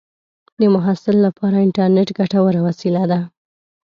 د محصل لپاره انټرنېټ ګټوره وسیله ده.